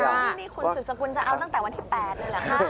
คุณสุดสกุลจะเอาตั้งแต่วันที่๘นี่แหละค่ะ